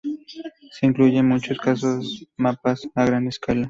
Se incluyen en muchos casos mapas a gran escala.